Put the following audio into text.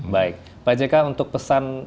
baik pak jk untuk pesan